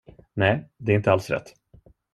Nej, det är inte alls rätt.